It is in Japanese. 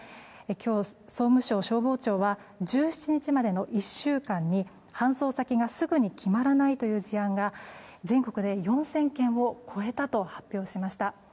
今日、総務省消防庁は１７日までの１週間に搬送先がすぐに決まらないという事案が全国で４０００件を超えたと発表しました。